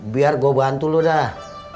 biar gue bantu lu dah